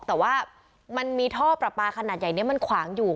แต่ว่ามันมีท่อประปาขนาดใหญ่นี้มันขวางอยู่